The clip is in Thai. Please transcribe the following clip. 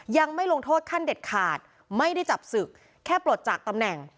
ยังไม่ลงโทษขั้นเด็ดขาดไม่ได้จับศึกแค่ปลดจากตำแหน่ง